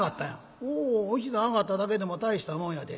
「おお一段上がっただけでも大したもんやで。